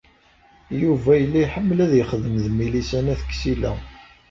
Yuba yella iḥemmel ad yexdem d Milisa n At Ksila.